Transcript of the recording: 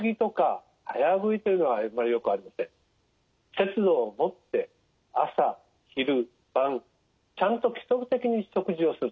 節度を持って朝昼晩ちゃんと規則的に食事をする。